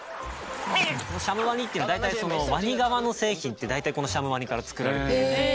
シャムワニっていうのは大体ワニ革の製品って大体このシャムワニから作られているんですね。